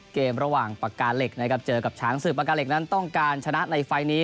เกมระหว่างปากกาเหล็กนะครับเจอกับช้างศึกปากกาเหล็กนั้นต้องการชนะในไฟล์นี้